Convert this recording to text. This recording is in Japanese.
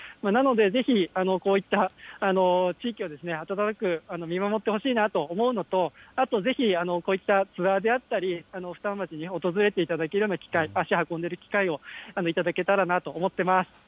なのでぜひ、こういった地域を温かく見守ってほしいなと思うのと、あと、ぜひこういったツアーであったり、双葉町に訪れていただけるような機会、足運んでいただける機会を頂けたらなと思ってます。